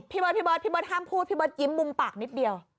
พี่เบิร์นห้ามพูดพี่เบิร์นยิ้มมุมปากนิดเดียว